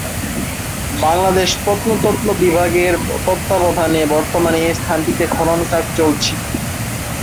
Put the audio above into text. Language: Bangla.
বাংলাদেশ প্রত্নতত্ত্ব বিভাগের তত্ত্বাবধানে বর্তমানে এ স্থানটিতে খনন কাজ চলছে।